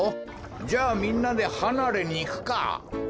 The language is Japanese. じゃあみんなではなれにいくか。